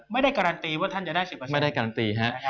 ไม่ได้การันตีว่าท่านจะได้๑๐